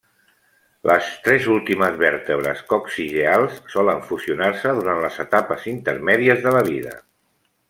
Les tres últimes vèrtebres coccigeals solen fusionar-se durant les etapes intermèdies de la vida.